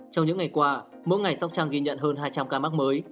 trong những ngày qua mỗi ngày sóc trăng ghi nhận hơn hai trăm linh ca mắc mới